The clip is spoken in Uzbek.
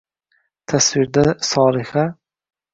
Tasvirda Solixa